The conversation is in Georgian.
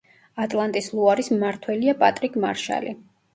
ატლანტის ლუარის მმართველია პატრიკ მარშალი.